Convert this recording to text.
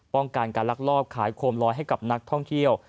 ป้องกันการลักลอบขายโคมลอยให้กับนักท่องเที่ยว